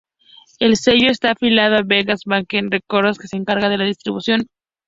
El sello está afiliado a Beggars Banquet Records, que se encarga de la distribución.